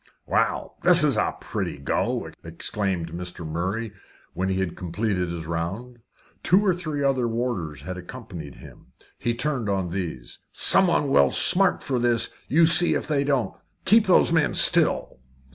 "Well, this is a pretty go!" exclaimed Mr. Murray, when he had completed his round. Two or three other warders had accompanied him. He turned on these. "Someone will smart for this you see if they don't. Keep those men still."